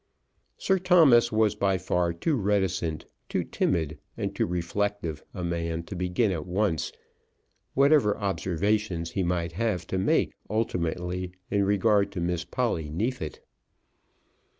Sir Thomas was by far too reticent, too timid, and too reflective a man to begin at once whatever observations he might have to make ultimately in regard to Miss Polly Neefit.